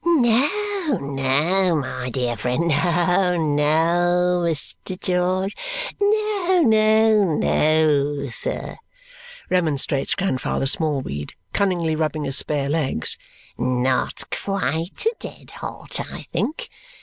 "No, no, my dear friend. No, no, Mr. George. No, no, no, sir," remonstrates Grandfather Smallweed, cunningly rubbing his spare legs. "Not quite a dead halt, I think.